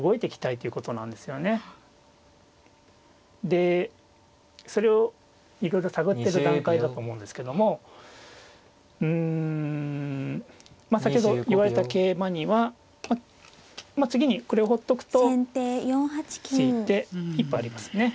でそれをいろいろ探ってる段階だと思うんですけどもうん先ほど言われた桂馬には次にこれをほっとくと突いて一歩ありますね